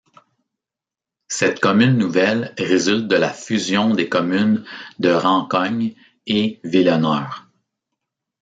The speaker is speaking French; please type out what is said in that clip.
Cette commune nouvelle résulte de la fusion des communes de Rancogne et Vilhonneur.